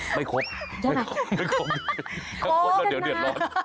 ไม่ครบ